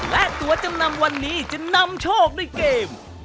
และตัวจำนำวันนี้จะนำโชคด้วยเกม